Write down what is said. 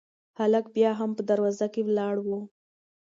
هلک بیا هم په دروازه کې ولاړ و.